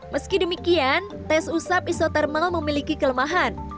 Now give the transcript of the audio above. meski demikian tes usap isotermal memiliki kelemahan